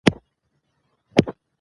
فصلونه به ساتل کیږي.